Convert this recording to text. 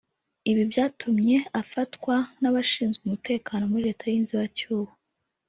ibi byatumye afatwa n’abashinzwe umutekano muri Leta y’inzibacyuho